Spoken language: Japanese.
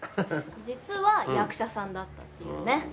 実は役者さんだったっていうね。